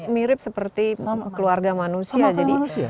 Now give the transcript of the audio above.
mirip seperti keluarga manusia